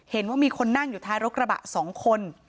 เห็นว่ามีคนนั่งอยู่ท้ายรถกระบะ๒คน